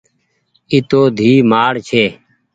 اي تو ڌيئي مآڙ ڇي۔